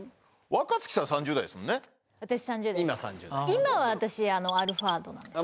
今は私アルファードなんですよ